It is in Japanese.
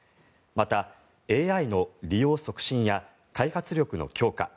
また、ＡＩの利用促進や開発力の強化